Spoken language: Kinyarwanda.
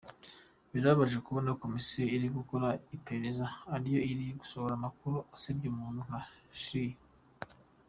Birababaje kubona Komisiyo iri gukora iperereza ariyo iri gusohora amakuru asebya umuntu nka Schiller.